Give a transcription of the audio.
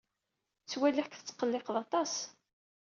Ttwaliɣ-k tettqelliqed aṭas.